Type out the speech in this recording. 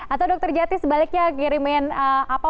atau dokter jati sebaliknya kirimin apa